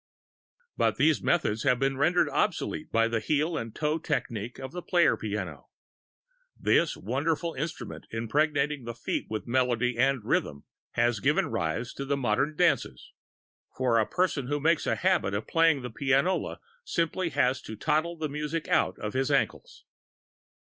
But these methods have been rendered obsolete by the heel and toe technique of the playerpiano. This wonderful instrument, impregnating the feet with melody and rhythm, has given rise to the modern dances. For a person who makes a habit of playing the pianola simply has to toddle the music out of his ankles.